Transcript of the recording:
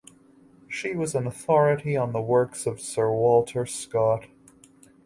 She was an authority on the works of Sir Walter Scott.